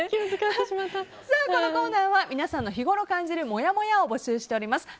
このコーナーは皆さんが日ごろ感じるもやもやを募集しています。